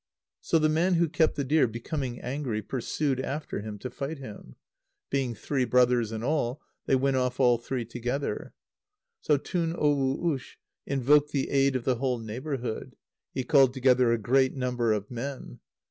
So the man who kept the deer, becoming angry, pursued after him to fight him. Being three brothers in all, they went off all three together. So Tun uwo ush invoked the aid of the whole neighbourhood. He called together a great number of men.